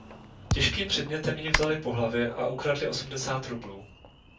Těžkým předmětem ji vzali po hlavě a ukradli osmdesát rublů.